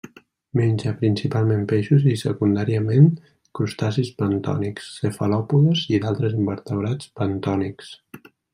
Menja principalment peixos i, secundàriament, crustacis bentònics, cefalòpodes i d'altres invertebrats bentònics.